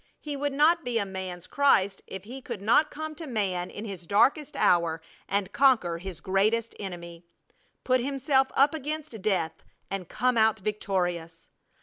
He would not be a man's Christ if He could not come to man in his darkest hour and conquer his greatest enemy; put Himself up against death and come out victorious!